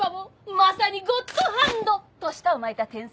まさにゴッドハンド！と舌を巻いた天才。